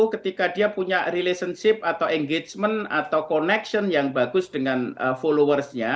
ketika dia punya relationship atau engagement atau connection yang bagus dengan followersnya